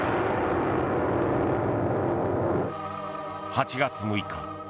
８月６日